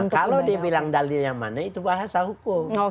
kalau dia bilang dalil yang mana itu bahasa hukum